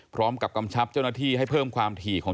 กำชับเจ้าหน้าที่ให้เพิ่มความถี่ของ